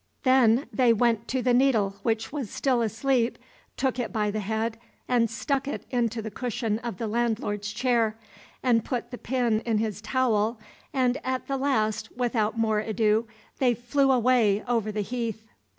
Then they went to the needle which was still asleep, took it by the head and stuck it into the cushion of the landlord's chair, and put the pin in his towel, and at the last without more ado they flew away over the heath.